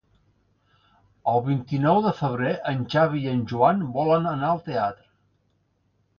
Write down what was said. El vint-i-nou de febrer en Xavi i en Joan volen anar al teatre.